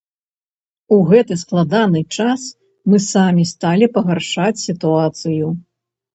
У гэты складаны час мы самі сталі пагаршаць сітуацыю.